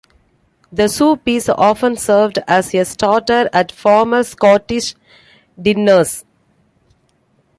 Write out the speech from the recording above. The soup is often served as a starter at formal Scottish dinners.